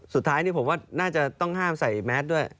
สุดท้ายนี่ผมว่าน่าจะต้องห้ามใส่แมสด้วย